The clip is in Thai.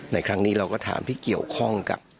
ในครั้งนี้เราก็ถามที่เกี่ยวข้องกับ